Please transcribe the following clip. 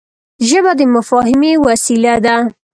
ژبه د مفاهمې وسیله ده